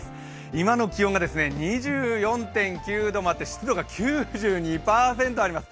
今の気温が２４．９度もあって湿度が９２％あります。